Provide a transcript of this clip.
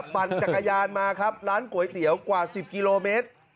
ปั่นจักรยานมาครับร้านก๋วยเตี๋ยวกว่า๑๐กิโลเมตร